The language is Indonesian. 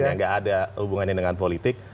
nggak ada hubungannya dengan politik